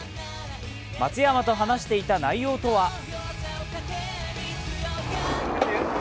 松山と話していた内容とは？